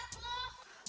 eh tadi gua ngeliat lo